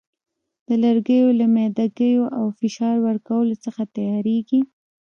د لرګیو له میده ګیو او فشار ورکولو څخه تیاریږي.